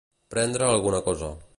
Prendre alguna cosa.